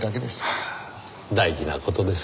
ああ大事な事です。